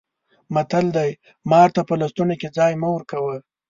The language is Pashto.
متل دی: مار ته په لستوڼي کې ځای مه ورکوه.